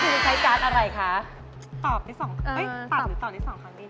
ตอบนี่๒ครั้งตอบหรือตอบนี่๒ครั้งนี่